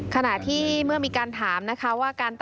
ขณะที่เมื่อมีการถามนะคะว่า